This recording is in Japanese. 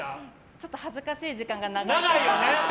ちょっと恥ずかしい時間が長い。